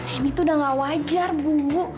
ini tuh udah gak wajar bu